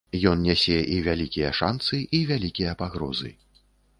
Ён нясе і вялікія шанцы, і вялікія пагрозы.